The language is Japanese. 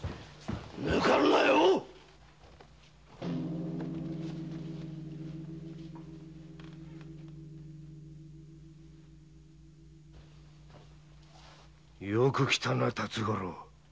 ぬかるなよよく来たな辰五郎。